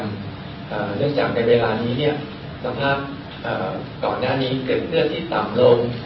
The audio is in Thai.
เนื่องจากในเวลานี้เนี่ยสภาพก่อนหน้านี้เกิดคลื่นที่ต่ำลง